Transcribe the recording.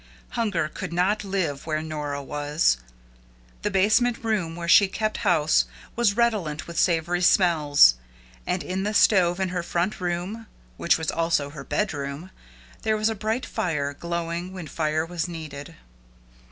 Hunger could not live where Nora was. The basement room where she kept house was redolent with savory smells; and in the stove in her front room which was also her bedroom there was a bright fire glowing when fire was needed.